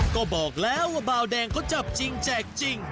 ก็บอกแล้วว่าบาวแดงเขาจับจริงแจกจริง